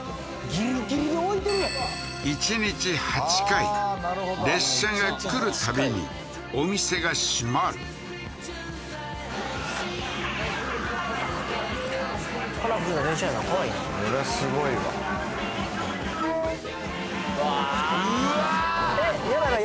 ギリギリに置いてるやん１日８回列車が来るたびにお店が閉まるカラフルな電車やなかわいいなこれすごいわうわーうわーえっやばい